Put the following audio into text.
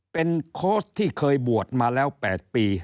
เป็นโค้ชที่เคยบวชมาแล้ว๘ปี